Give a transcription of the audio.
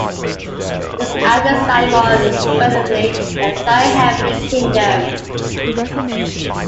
This I desire more fervently than Thy heavenly Kingdom.